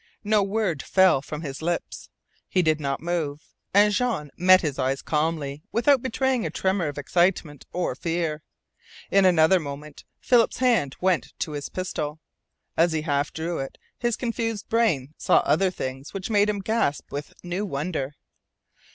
No word fell from his lips. He did not move. And Jean met his eyes calmly, without betraying a tremor of excitement or of fear. In another moment Philip's hand went to his pistol. As he half drew it his confused brain saw other things which made him gasp with new wonder.